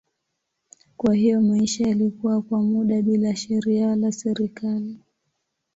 Kwa hiyo maisha yalikuwa kwa muda bila sheria wala serikali.